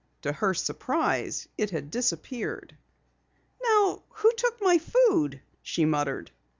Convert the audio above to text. To her surprise it had disappeared. "Now who took my food?" she muttered.